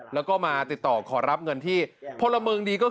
แล้วก็มาติดต่อขอรับเงินที่พลเมืองดีก็คือ